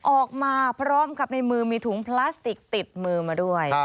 ออกมาพร้อมกับในมือมีถุงพลาสติกติดมือมาด้วย